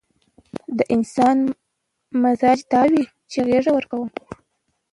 د انسان مزاج دا وي چې غېږه ورکوم.